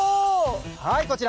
はいこちら。